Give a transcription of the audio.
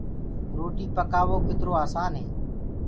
روٽيٚ پڪآوو ڪترو آسآني